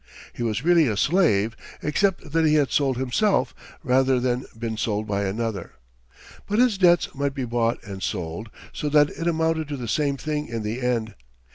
He was really a slave, except that he had sold himself rather than been sold by another. But his debts might be bought and sold, so that it amounted to the same thing in the end.